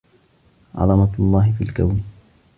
عظمة الله في الكون